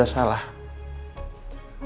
kamu bukan suaminya elsa lagi